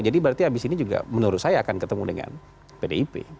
jadi berarti habis ini juga menurut saya akan ketemu dengan pdip